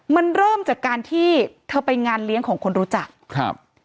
มันเริ่มจากการที่เธอไปงานเลี้ยงของคนรู้จักครับ